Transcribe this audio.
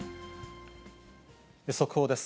速報です。